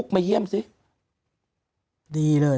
คุณหนุ่มกัญชัยได้เล่าใหญ่ใจความไปสักส่วนใหญ่แล้ว